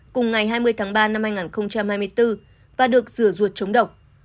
cùng ngày hai mươi tháng ba năm hai nghìn hai mươi bốn và được rửa ruột chống độc